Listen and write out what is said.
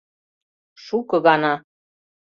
— Шуко гана.